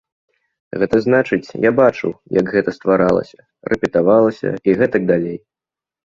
Гэта значыць, я бачыў, як гэта стваралася, рэпетавалася і гэтак далей.